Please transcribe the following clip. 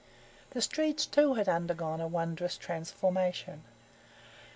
The streets too had undergone a wondrous transformation.